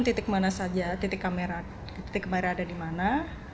kita menentukan titik mana saja titik kamera ada di mana